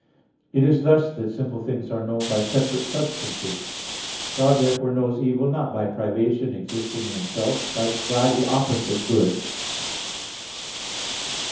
It is thus that simple things are known by separate substances. God therefore knows evil, not by privation existing in Himself, but by the opposite good.